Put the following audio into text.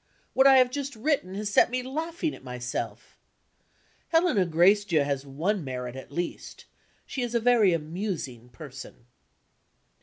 What I have just written has set me laughing at myself. Helena Gracedieu has one merit at least she is a very amusing person.